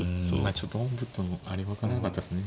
ちょっと本譜とのあれ分からなかったっすね